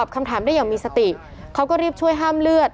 คำถามได้อย่างมีสติเขาก็รีบช่วยห้ามเลือด